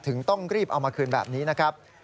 ต้องรีบเอามาคืนแบบนี้นะครับ